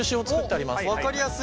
おっ分かりやすい。